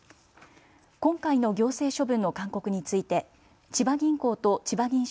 今回の行政処分の勧告について千葉銀行とちばぎん